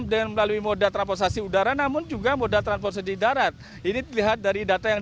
dengan melalui moda transportasi udara namun juga moda transportasi di darat ini dilihat dari data yang